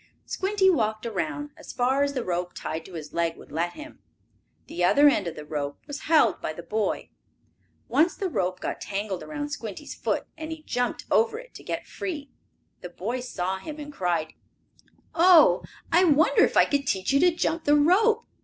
Squinty walked around, as far as the rope tied to his leg would let him. The other end of the rope was held by the boy. Once the rope got tangled around Squinty's foot, and he jumped over it to get free. The boy saw him and cried: "Oh, I wonder if I could teach you to jump the rope?